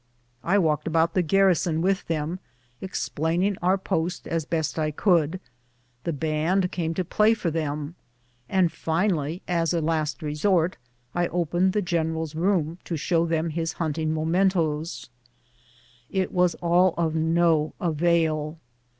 I walked about the garri son with them, explaining our post as best I could ; the band came to play for them ; and finally, as a last resort, I opened the general's room to show them his hunting mementos. It was all of no avail.